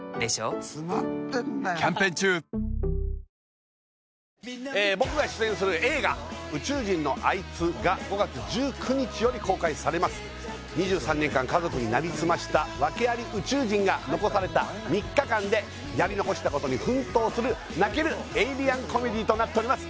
赤楚衛二さんがグルメ探し僕が出演する映画「宇宙人のあいつ」が５月１９日より公開されます２３年間家族になりすました訳あり宇宙人が残された３日間でやり残したことに奮闘する泣けるエイリアンコメディとなっております